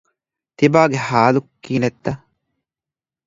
ތިބާގެ ޙާލު ކިހިނެއްތަ؟